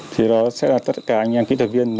thì đó sẽ là tất cả anh em kỹ thuật viên